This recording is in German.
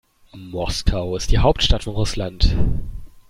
Moskau ist die Hauptstadt von Russland.